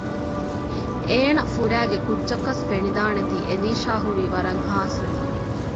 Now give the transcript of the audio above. އޭނަފުރައިގެ ކުއްޖަކަސް ފެނިދާނެތީ އެލީޝާ ހުރީ ވަރަށް ހާސްވެފަ